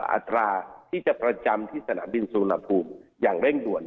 อัตราที่จะประจำที่สนามบินสุวรรณภูมิอย่างเร่งด่วน